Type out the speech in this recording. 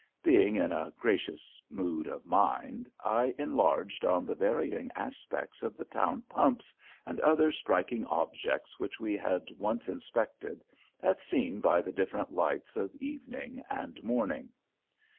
Being in a gracious mood of mind, I enlarged on the varying aspects of the town pumps and other striking objects which we had once inspected, as seen by the different lights of evening and morning.